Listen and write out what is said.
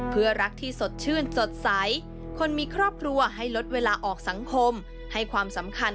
เพื่อรักที่สดชื่นสดใสคนมีครอบครัวให้ลดเวลาออกสังคมให้ความสำคัญ